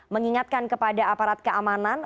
mengingatkan kepada aparat keamanan